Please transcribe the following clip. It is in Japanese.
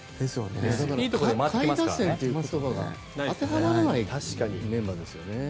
下位打線という言葉が当てはまらないメンバーですよね。